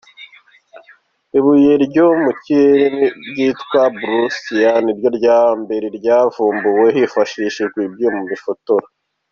Ibuye ryo mu kirere ryitwa Brucia niryo rya mbere ryavumbuwe hifashishijwe ibyuma bifotora.